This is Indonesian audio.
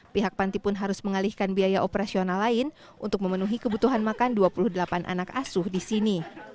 pihak panti pun harus mengalihkan biaya operasional lain untuk memenuhi kebutuhan makan dua puluh delapan anak asuh di sini